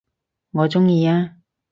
我鍾意啊